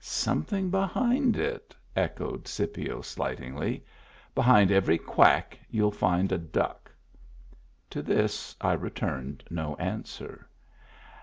"Something behind it,*' echoed Scipio slight ingly. " Behind every quack youll find a duck." To this I returned no answer.